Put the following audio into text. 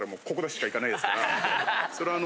それはあの。